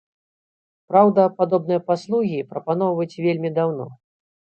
Праўда, падобныя паслугі прапаноўваюць вельмі даўно.